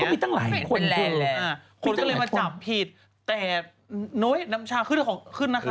อะไรอย่างนี้ไม่เห็นเป็นไรเลยคนก็เลยมาจับผิดแต่น้วยน้ำชาขึ้นนะคะขึ้นอยู่